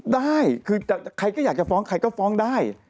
ได้คือใครก็อยากจะฟ้องใครก็ฟ้องได้